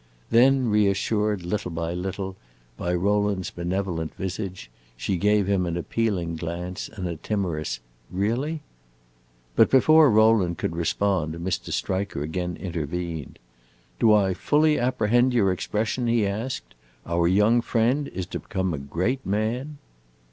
Then reassured, little by little, by Rowland's benevolent visage, she gave him an appealing glance and a timorous "Really?" But before Rowland could respond, Mr. Striker again intervened. "Do I fully apprehend your expression?" he asked. "Our young friend is to become a great man?"